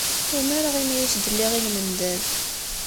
Umareɣ imi ay ak-d-lliɣ i lmendad.